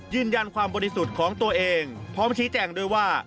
ยืนยันความบริสุทธิ์ของตัวเองพร้อมชี้แจงด้วยว่า